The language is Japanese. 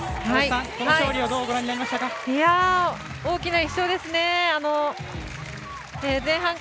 この勝利どうご覧になりましたか？